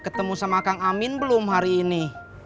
ketemu sama kang amin belum hari ini